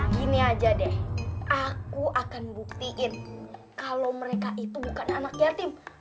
gini aja deh aku akan buktiin kalau mereka itu bukan anak yatim